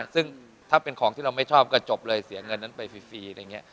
ซึ่งถ้าเป็นของที่เราไม่ชอบก็จบเลยเสียเงินนั้นไปฟรีอะไรอย่างนี้